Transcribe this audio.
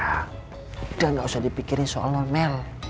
ya udah nggak usah dipikirin soal non mel